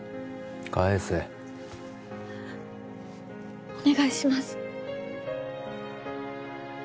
返せお願いします